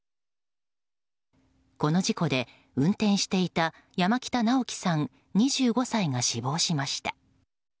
この事故で運転していた山北尚希さん、２５歳が死亡しました。